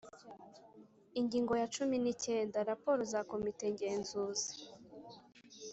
Ingingo ya cumi n’icyenda : Raporo za Komite Ngenzuzi